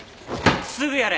すぐやれ！